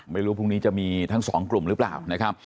ไม่รู้พรุ่งนี้จะมีทั้งสองกลุ่มหรือเปล่านะครับ